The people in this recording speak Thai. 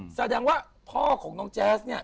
แสดงว่าพ่อของน้องแจ๊สเนี่ย